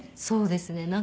そうですね。